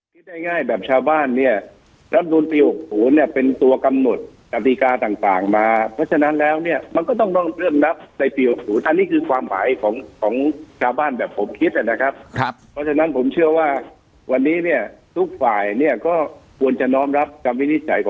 ประชาธิปไตยเนี่ยควรเคารพประชาธิปไตย